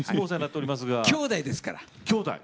きょうだいですから。